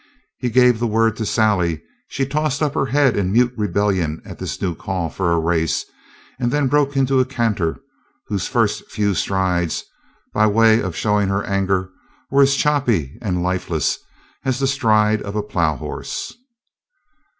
He gave the word to Sally. She tossed up her head in mute rebellion at this new call for a race, and then broke into a canter whose first few strides, by way of showing her anger, were as choppy and lifeless as the stride of a plow horse.